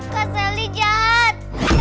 kak sally jahat